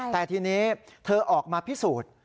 แต่ทีนี้เธอออกมาพิสูจน์